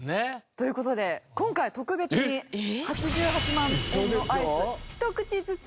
という事で今回は特別に８８万円のアイスひと口ずつご用意しました。